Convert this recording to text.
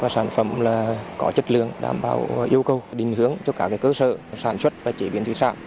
sản phẩm có chất lượng đảm bảo yêu cầu đình hướng cho các cơ sở sản xuất và chế biến thủy sản